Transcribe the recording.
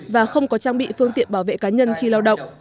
và không có trang bị phương tiện bảo vệ cá nhân khi lao động